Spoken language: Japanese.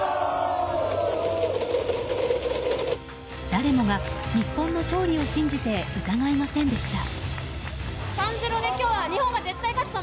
誰もが日本の勝利を信じて疑いませんでした。